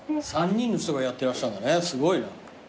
３人の人がやってらっしゃるんだねすごいな。